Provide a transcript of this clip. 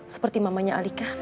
seperti mamanya alika